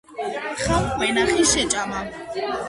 თხამ ვენახი შეჭამა.